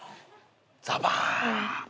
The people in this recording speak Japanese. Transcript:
ザバーン。